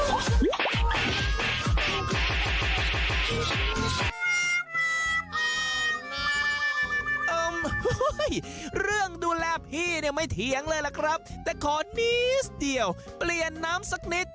โอ้โหเรื่องดูแลพี่เนี่ยไม่เถียงเลยล่ะครับแต่ขอนิดเดียวเปลี่ยนน้ำสักนิด